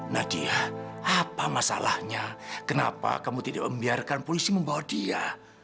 nadia apa masalahnya kenapa kamu tidak membiarkan polisi membawa dia